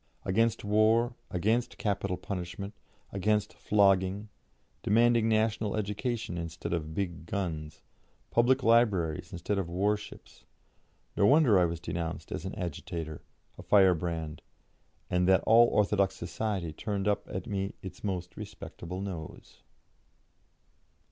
Against war, against capital punishment, against flogging, demanding national education instead of big guns, public libraries instead of warships no wonder I was denounced as an agitator, a firebrand, and that all orthodox society turned up at me its most respectable nose.